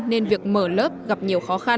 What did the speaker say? nên việc mở lớp gặp nhiều khó khăn